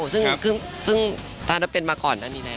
ซึ่งต้านักเป็นมาก่อนอันนี้แหละ